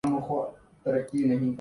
نئی سوچ کی ضرورت ہر شعبے میں تھی۔